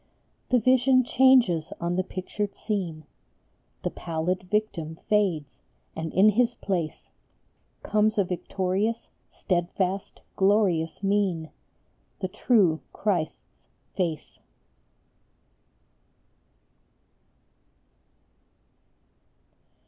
157 The vision changes on the pictured scene ; The pallid Victim fades, and in his place Comes a victorious, steadfast, glorious mien, The true Christ s face.